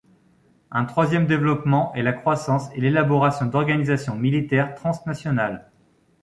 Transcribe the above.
Un troisième développement est la croissance et l'élaboration d'organisations militaires transnationales.